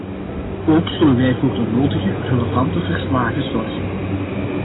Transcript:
Ook zullen wij voor de nodige relevante verslagen zorgen.